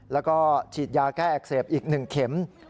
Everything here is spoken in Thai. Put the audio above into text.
แล้วก็ฉีดยาแก้อักเสบอีก๑เข็ม